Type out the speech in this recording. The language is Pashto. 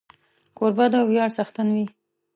کوربه د ویاړ څښتن وي.